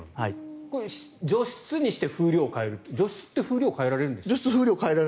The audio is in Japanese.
これ、除湿にして風量を変える除湿って風量変えられるんですか？